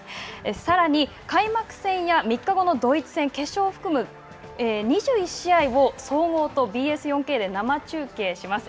さらに、開幕戦や３日後のドイツ戦の決勝を含む２１試合を総合とＢＳ４Ｋで生中継します。